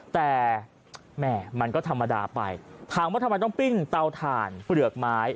แต่แหม่มันก็ธรรมดาไปถามว่าทำไมต้องปิ้งเตาถ่านเปลือกไม้